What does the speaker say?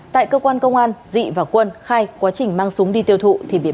tại cơ quan công an dị và quân khai quá trình mang súng đi tiêu thụ thì bị bắt